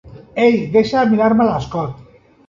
Ei, deixa de mirar-me l'escot!